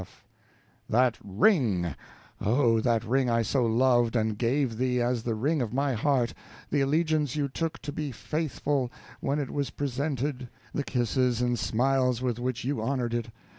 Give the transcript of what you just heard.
F. That ring, oh, that ring I so loved, and gave thee as the ring of my heart; the allegiance you took to be faithful, when it was presented; the kisses and smiles with which you honored it.